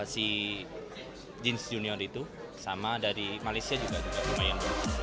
si jeans junior itu sama dari malaysia juga lumayan